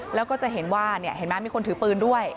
แล้วก็จะเห็นว่ามีคนถือปืนด้วย